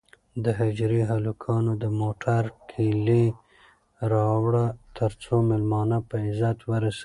د حجرې هلکانو د موټر کیلي راوړه ترڅو مېلمانه په عزت ورسوي.